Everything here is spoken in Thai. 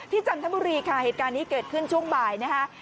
จันทบุรีค่ะเหตุการณ์นี้เกิดขึ้นช่วงบ่ายนะคะ